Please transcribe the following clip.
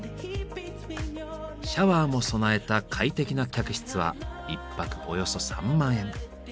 シャワーも備えた快適な客室は１泊およそ３万円。